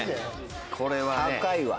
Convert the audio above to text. これは高いわ。